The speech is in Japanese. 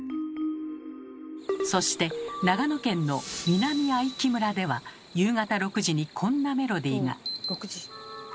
そして長野県の南相木村では夕方６時にこんなメロディーが。